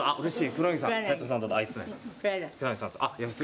黒柳さん。